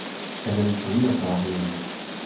En em vriata a reont.